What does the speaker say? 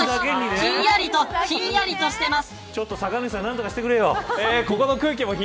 ひんやりとしています。